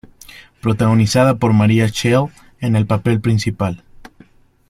Protagonizada por María Schell en el papel principal.